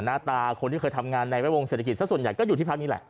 หน้าตาคนที่เคยทำงานในแวดวงเศรษฐกิจสักส่วนใหญ่ก็อยู่ที่พักนี้แหละ